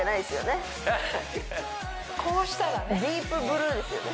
こうしたらね「ディープ・ブルー」ですよね